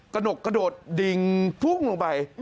กระโนกเติดกระโดดดิงพุ่งลงไป